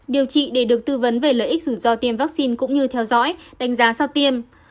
điều trị để được tư vấn về lợi ích rủi ro tiêm vaccine cũng như theo dõi đánh giá sau tiêm